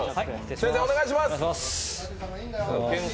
先生お願いします！